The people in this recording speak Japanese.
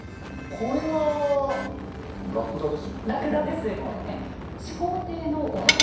これはラクダです。